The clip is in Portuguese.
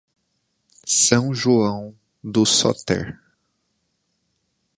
São João do Soter